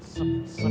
sup sup sup